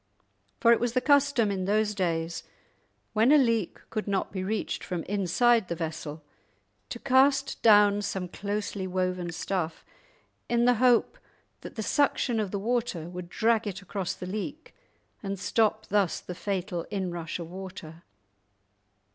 For it was the custom in those days, when a leak could not be reached from inside the vessel, to cast down some closely woven stuff in the hope that the suction of the water would drag it across the leak and stop thus the fatal inrush of water.